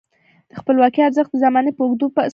د خپلواکۍ ارزښت د زمانې په اوږدو کې ثابتیږي.